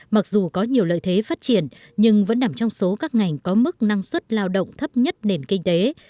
mặc dù có nhiều lợi thế phát triển nhưng vẫn nằm trong số các ngành có mức năng suất lao động thấp nhất nền kinh tế